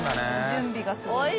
準備がすごい。